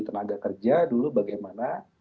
tenaga kerja dulu bagaimana